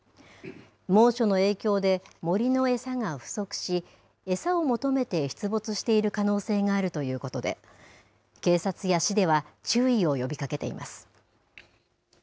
猛暑の影響で森の餌が不足し、餌を求めて出没している可能性があるということで、警察や市では、注意を呼びかけています。